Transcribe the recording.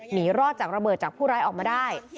หนีรอดจากระเบิดจากผู้ร้ายออกมาได้